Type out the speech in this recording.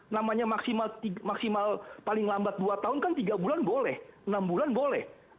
namanya maksimal paling lambat dua tahun kan tiga bulan boleh enam bulan boleh